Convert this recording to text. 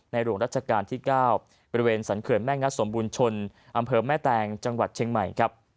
ในหลวงรัชกาลที่๙บริเวณสันเขินแม่งัตษมบุญชนอำเภอแม่แตงจังหวัดเชียงใหม่